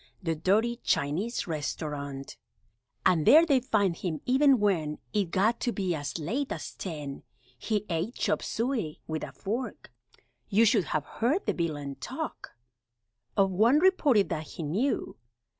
The dirty Chinese Restaurant, And there they'd find him, even when It got to be as late as ten! He ate chopped suey (with a fork), You should have heard the villain talk Of one reporter that he knew